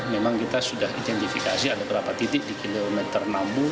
memang kita sudah identifikasi ada berapa titik di kilometer enam puluh lima puluh delapan enam puluh lima